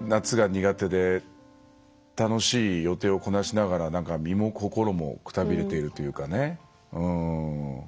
夏が苦手で楽しい予定をこなしながら身も心もくたびれているというかね。